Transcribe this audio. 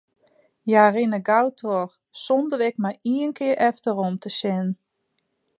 Hja rinne gau troch, sonder ek mar ien kear efterom te sjen.